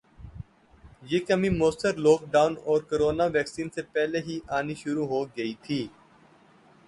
یہ کمی موثر لوک ڈاون اور کورونا ویکسین سے پہلے ہی آنی شروع ہو گئی تھی